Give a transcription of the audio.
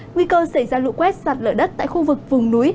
nguy cơ xảy ra lũ quét sạt lở đất tại khu vực vùng núi